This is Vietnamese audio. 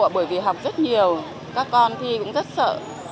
bởi vì học rất nhiều các con thi cũng rất sợ